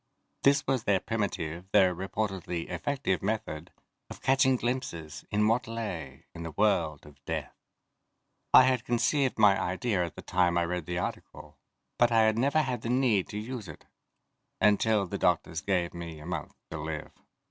This was their primitive, though reportedly effective method of catching glimpses of what lay in the world of death. I had conceived my idea at the time I read the article, but I had never had the need to use it until the doctors gave me a month to live.